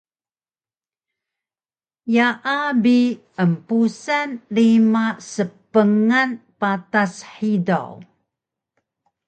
Yaa bi empusal rima spngan patas hidaw